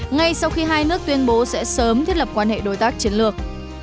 ngay sau khi hai nước tuyên bố sẽ sớm thiết lập quan hệ đối tác chiến lược